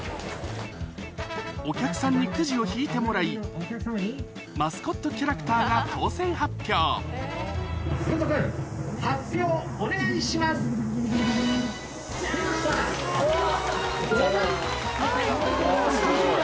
お客さんにくじを引いてもらいマスコットキャラクターが当選発表出ました！